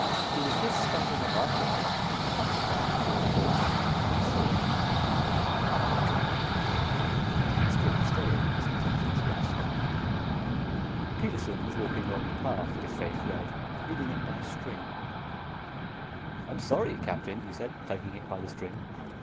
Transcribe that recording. He was just starting up after him, up the plank toward the port, when he saw it. "My God!" He stood staring, his hands on his hips. Peterson was walking along the path, his face red, leading it by a string. "I'm sorry, Captain," he said, tugging at the string.